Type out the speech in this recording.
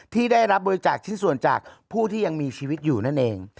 ที่ได้รับบริจาคชิ้นส่วนจากผู้ที่ยังมีชีวิตอยู่นั่นเอง